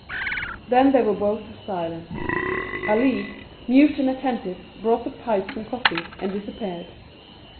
Then they were both silent. Ali, mute and attentive, brought the pipes and coffee, and disappeared.